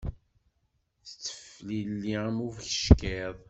Tetteflili am ubeckiḍ.